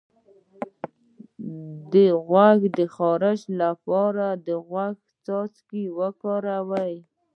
د غوږ د خارش لپاره د غوږ څاڅکي وکاروئ